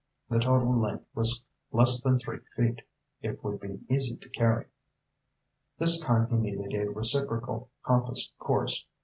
The total length was less than three feet. It would be easy to carry. This time he needed a reciprocal compass course.